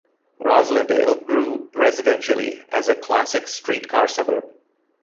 Roslindale grew residentially as a classic streetcar suburb.